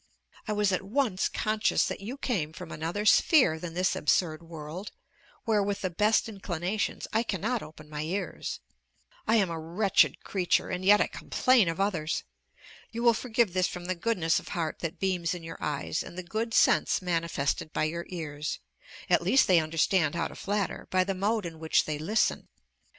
I was at once conscious that you came from another sphere than this absurd world, where, with the best inclinations, I cannot open my ears. I am a wretched creature, and yet I complain of others!! You will forgive this from the goodness of heart that beams in your eyes, and the good sense manifested by your ears; at least they understand how to flatter, by the mode in which they listen.